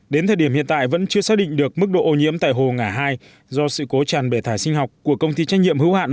đến thời điểm hiện tại vẫn chưa xác định được mức độ ô nhiễm tại hồ ngã hai do sự cố tràn bể thải sinh học của công ty trách nhiệm hữu hạn